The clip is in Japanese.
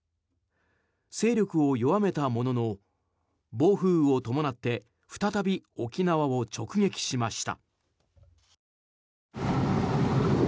勢力を弱めたものの暴風雨を伴って再び沖縄を直撃しました。